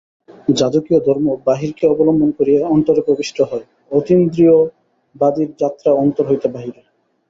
যাজকীয় ধর্ম বাহিরকে অবলম্বন করিয়া অন্তরে প্রবিষ্ট হয়, অতীন্দ্রিয়বাদীর যাত্রা অন্তর হইতে বাহিরে।